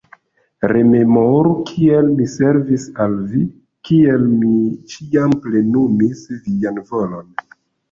Rememoru, kiel mi servis al vi, kiel mi ĉiam plenumis vian volon.